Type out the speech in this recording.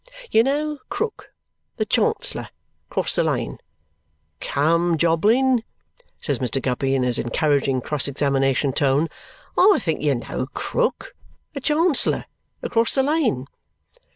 You know Krook, the Chancellor, across the lane. Come, Jobling," says Mr. Guppy in his encouraging cross examination tone, "I think you know Krook, the Chancellor, across the lane?"